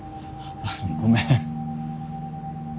ごめん。